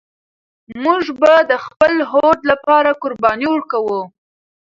موږ به د خپل هوډ لپاره قرباني ورکوو.